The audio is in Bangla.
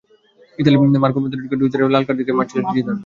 ইতালির মার্কো মাতেরাজ্জিকে ঢুস মেরে লাল কার্ড দেখে মাঠ ছেড়েছিলেন জিদান।